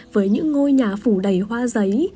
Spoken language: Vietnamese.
với những ngôi nhà phủ đầy hoa giấy